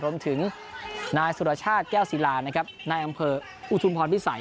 รวมถึงนายสุรชาติแก้วศิลานะครับนายอำเภออุทุมพรพิสัย